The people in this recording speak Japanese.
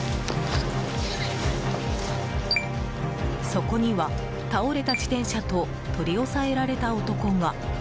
そこには倒れた自転車と取り押さえられた男が。